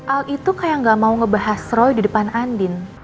al itu kayak gak mau ngebahas roy di depan andin